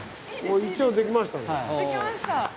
一応できました。